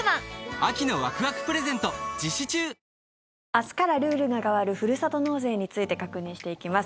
明日からルールが変わるふるさと納税について確認していきます。